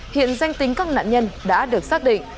hiện danh tính các nạn nhân đã được xác định